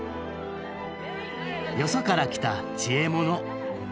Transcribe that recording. よそから来た知恵者。